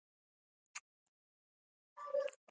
احمد تل په خبروکې ټوپونه وهي یوه کوي دوې پرېږدي.